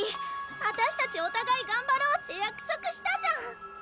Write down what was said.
あたしたちおたがいがんばろうって約束したじゃん！